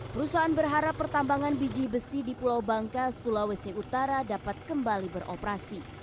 perusahaan berharap pertambangan biji besi di pulau bangka sulawesi utara dapat kembali beroperasi